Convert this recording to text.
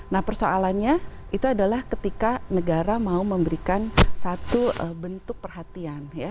nah persoalannya itu adalah ketika negara mau memberikan satu bentuk perhatian